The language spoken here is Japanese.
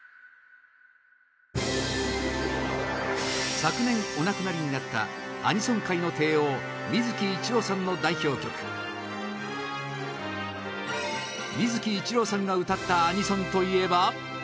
昨年、お亡くなりになったアニソン界の帝王水木一郎さんの代表曲水木一郎さんが歌ったアニソンといえば